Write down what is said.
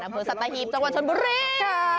อำเมอสัตตาฮีบจังหวัดชนบุรี